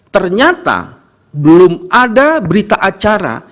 ternyata belum ada berita acara